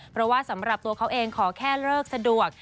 เพราะว่าสำหรับตัวเขาเองขอแค่เลิกสะดวก